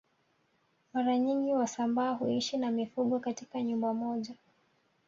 Mara nyingi wasambaa huishi na mifugo katika nyumba moja